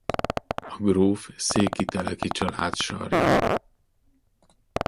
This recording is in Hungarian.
A gróf széki Teleki család sarja.